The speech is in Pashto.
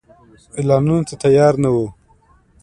اعلانولو ته تیار نه وو.